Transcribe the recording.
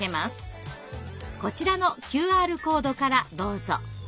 こちらのＱＲコードからどうぞ。